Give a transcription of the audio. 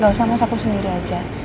gak usah mas aku sendiri aja